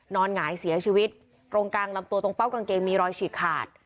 หงายเสียชีวิตตรงกลางลำตัวตรงเป้ากางเกงมีรอยฉีกขาด